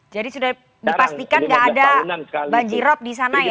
jadi sudah dipastikan gak ada banjirop di sana ya